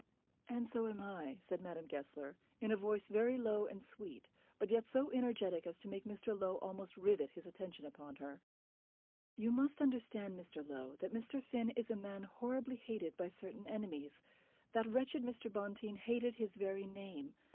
"And so am I," said Madame Goesler, in a voice very low and sweet, but yet so energetic as to make Mr. Low almost rivet his attention upon her. "You must understand, Mr. Low, that Mr. Finn is a man horribly hated by certain enemies. That wretched Mr. Bonteen hated his very name.